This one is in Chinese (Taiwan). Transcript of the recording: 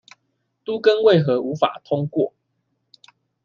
都更為何無法通過